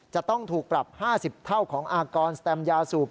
จะต้องถูกปรับ๕๐เท่าของอากรสแตมยาสูบ